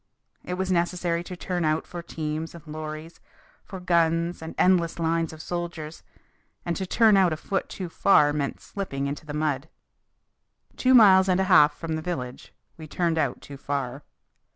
It was necessary to turn out for teams and lorries, for guns and endless lines of soldiers, and to turn out a foot too far meant slipping into the mud. Two miles and a half from the village we turned out too far.